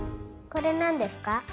これなんですか？